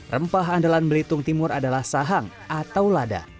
rempah andalan belitung timur adalah sahang atau lada